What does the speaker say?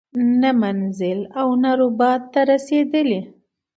نه منزل او نه رباط ته رسیدلی